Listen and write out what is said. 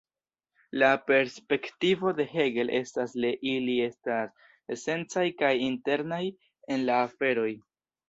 La perspektivo de Hegel estas le ili estas esencaj kaj internaj en la aferoj.